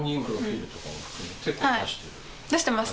はい出してます。